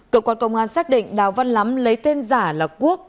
cơ quan công an xác định đào văn lắm lấy tên giả là quốc